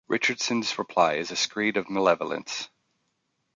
Richardson's reply is a screed of malevolence.